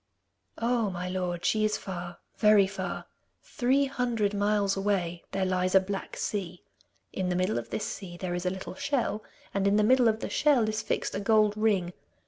'Oh, my lord, she is far, very far. Three hundred miles away there lies a black sea. In the middle of this sea there is a little shell, and in the middle of the shell is fixed a gold ring.